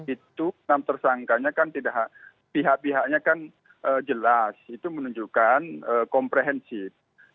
itu enam tersangkanya kan pihak pihaknya kan jelas itu menunjukkan komprehensif